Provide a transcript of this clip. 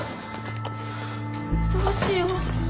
どうしよう。